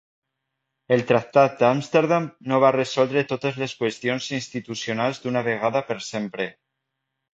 El Tractat d'Amsterdam no va resoldre totes les qüestions institucionals d'una vegada per sempre.